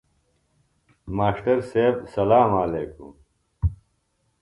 ماݜٹر سیب سلام علیکم۔